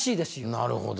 なるほど。